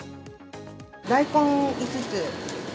大根５つ。